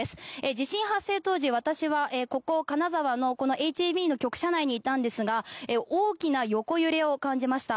地震発生当時、私はここ金沢のＨＡＢの局舎内にいたんですが大きな横揺れを感じました。